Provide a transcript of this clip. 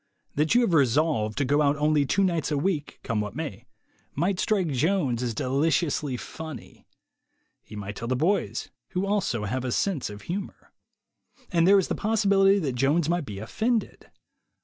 That you have resolved to go out only two nights a week, come what may, might strike Jones as deliciously funny. He might tell the boys, who also have a sense of humor. And there is the possibility that Jones might be offended.